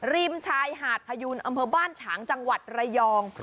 ริมชายหาดพยูนอำเภอบ้านฉางจังหวัดระยอง